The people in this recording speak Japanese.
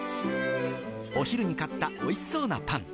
お昼に買ったおいしそうなパン。